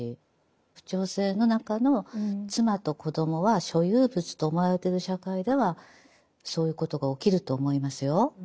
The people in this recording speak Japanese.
家父長制の中の妻と子供は所有物と思われてる社会ではそういうことが起きると思いますよ。